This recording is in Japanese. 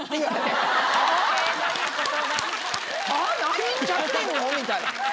何言っちゃってんの？みたいな。